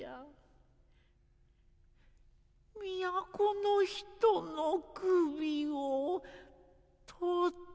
都の人の首を取っておいで。